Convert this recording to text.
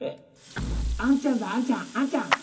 あんちゃんだあんちゃんあんちゃん。